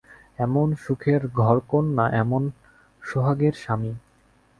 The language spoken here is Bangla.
এমন সুখের ঘরকন্না–এমন সোহাগের স্বামী।